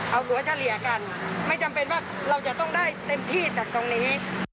เอาตัวเฉลี่ยกันไม่จำเป็นว่าเราจะต้องได้เต็มที่จากตรงนี้